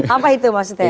apa itu maksudnya